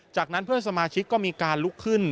จากนั้นเพื่อนสมาชิกก็มีการลุกขึ้น